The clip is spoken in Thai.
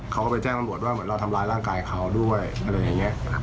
เขาก็ไปแจ้งตำรวจว่าเหมือนเราทำร้ายร่างกายเขาด้วยอะไรอย่างนี้